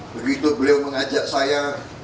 begitu beliau mengajak saya